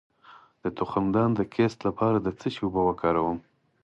د تخمدان د کیست لپاره د څه شي اوبه وکاروم؟